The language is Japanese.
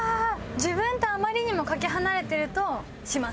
自分とあまりにもかけ離れてるとします。